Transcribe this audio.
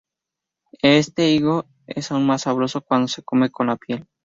Este higo es aún más sabroso cuando se come con la piel.